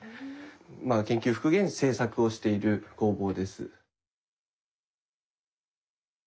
まあ研究復元製作をしている工房です。